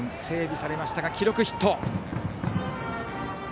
整備されましたが記録ヒット。